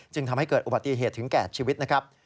จึงทำให้เกิดอุบัติเหตุถึงแก่ชีวิตนะครับ